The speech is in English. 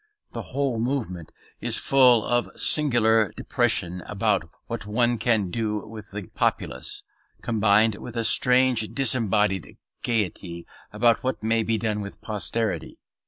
The whole movement is full of a singular depression about what one can do with the populace, combined with a strange disembodied gayety about what may be done with posterity.